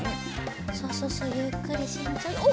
そうそうそうゆっくりしんちょうにおっ！